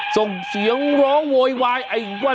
ส่งเสียงร้องโวยวายไอ้ว่า